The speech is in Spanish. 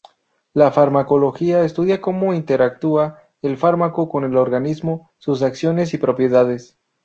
La farmacología estudia como interactúa el fármaco con el organismo, sus acciones y propiedades.